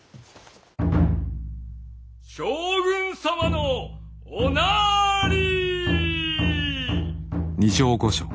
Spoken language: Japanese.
将軍様のおなり。